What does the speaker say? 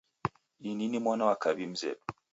Ini ni mwana wa kaw'i mzedu.